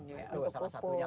itu salah satunya